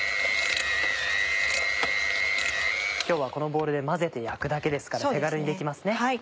今日はこのボウルで混ぜて焼くだけですから手軽にできますね。